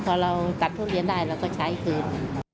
พอเราตัดทุเรียนได้เราก็ใช้คืน